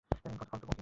কত্ত ফালতু বকে?